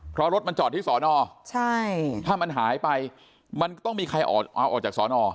เพราะรถมันจอดที่ศนถ้ามันหายไปมันต้องมีใครออกจากศน